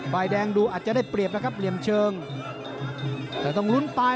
บ่ายแดงดูอาจจะได้เปรียบนะครับเลี่ยมเชิง